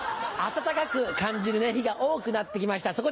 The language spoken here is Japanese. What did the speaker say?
暖かく感じる日が多くなって来ました。